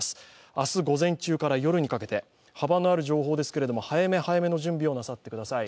明日午前中から夜にかけて幅のある情報ですけれども早め早めの準備をなさってください。